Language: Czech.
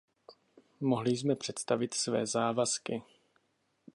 Mohli jsme představit své závazky.